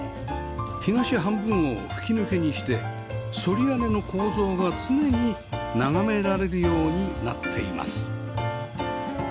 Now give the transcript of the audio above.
東半分を吹き抜けにして反り屋根の構造が常に眺められるようになっています